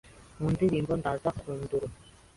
mu ndirimbo Danza Kuduro